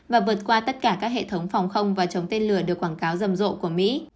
và vượt qua tất cả các hệ thống phòng không và chống tên lửa được quảng cáo rầm rộ của mỹ